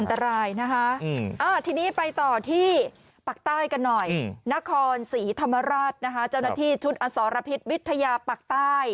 ทีนี้ไปต่อที่ปากใต้กันหน่อยนครศรีธรรมราชนะคะเจ้าหน้าที่ชุดอสรพิษวิทยาปากใต้